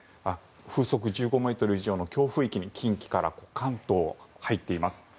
風速１５ｍ以上の強風域に近畿から関東が入っています。